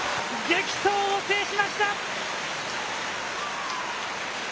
激闘を制しました。